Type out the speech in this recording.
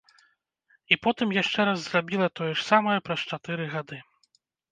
І потым яшчэ раз зрабіла тое ж самае праз чатыры гады.